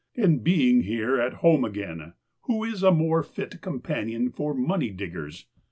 And being here at home again, who is a more fit com panion for money diggers?